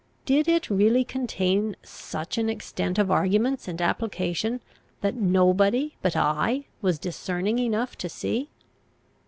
Did it really contain such an extent of arguments and application, that nobody but I was discerning enough to see?